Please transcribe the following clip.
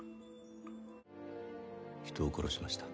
人を殺しました。